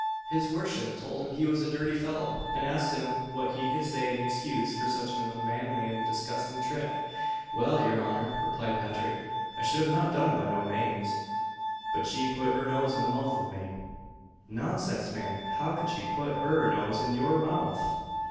His worship told him he was a dirty fellow, and asked him what he could say in excuse for such an unmanly and disgusting trick. "Well, your honour," replied Patrick, "I should not have done it by no manes, but she put her nose in the mouth of me." "Nonsense, man! How could she put her nose in your mouth?"